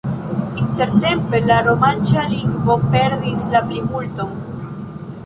Intertempe la romanĉa lingvo perdis la plimulton.